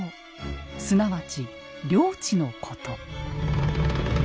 すなわち領地のこと。